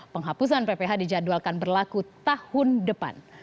penghapusan pph dijadwalkan berlaku tahun depan